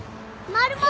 マルモ。